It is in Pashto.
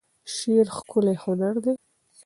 شعر ښکلی هنر دی.